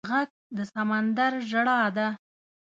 غږ د سمندر ژړا ده